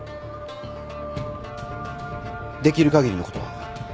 できる限りのことは。